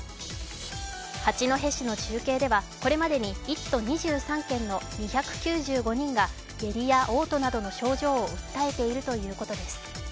八戸市の集計では、これまでに１都２３県の２９５人が下痢やおう吐などの症状を訴えているということです。